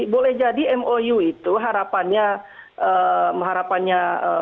boleh jadi mou itu harapannya harapannya